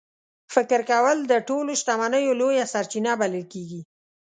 فکر کول د ټولو شتمنیو لویه سرچینه بلل کېږي.